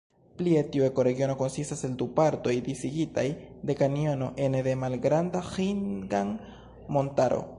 Plie tiu ekoregiono konsistas el du partoj disigitaj de kanjono ene de Malgranda Ĥingan-Montaro.